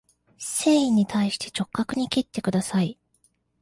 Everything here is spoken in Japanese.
繊維に対して直角に切ってください